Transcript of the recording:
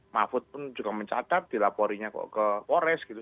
mahfud pun juga mencatat dilaporinnya ke wores gitu